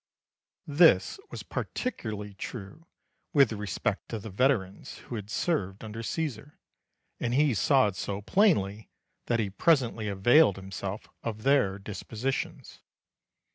This was particularly true with respect to the veterans who had served under Caesar, and he saw it so plainly that he presently availed himself of their dispositions.